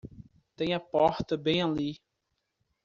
Tem a porta bem ali.